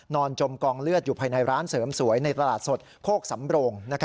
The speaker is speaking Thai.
จมกองเลือดอยู่ภายในร้านเสริมสวยในตลาดสดโคกสำโรง